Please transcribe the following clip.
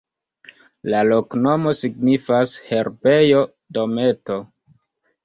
La loknomo signifas: herbejo-dometo.